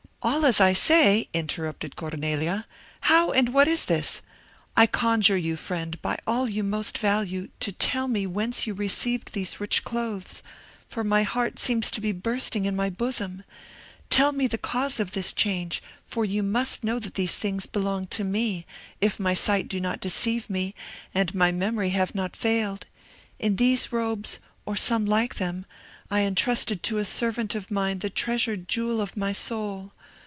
"All as I say!" interrupted Cornelia, "how and what is this? I conjure you, friend, by all you most value, to tell me whence you received these rich clothes; for my heart seems to be bursting in my bosom! Tell me the cause of this change; for you must know that these things belong to me, if my sight do not deceive me, and my memory have not failed. In these robes, or some like them, I entrusted to a servant of mine the treasured jewel of my soul!